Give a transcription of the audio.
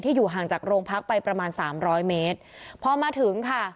อยู่ห่างจากโรงพักไปประมาณสามร้อยเมตรพอมาถึงค่ะ